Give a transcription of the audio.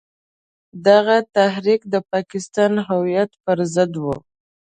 دغه تحریک د پاکستان هویت پر ضد وو.